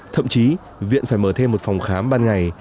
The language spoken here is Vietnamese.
thậm chí viện phải mở thêm một phòng khám ban ngày